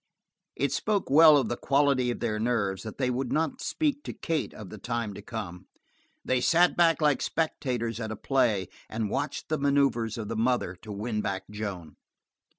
It spoke well for the quality of their nerves that they would not speak to Kate of the time to come; they sat back like spectators at a play and watched the maneuvers of the mother to win back Joan.